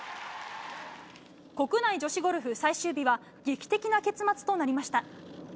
国内女子ゴルフ最終日は、劇的な結末となりました。